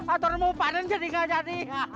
motor mau panen jadi gak jadi